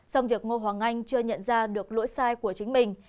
xong việc ngô hoàng anh chưa nhận ra được lỗi sai của chính mình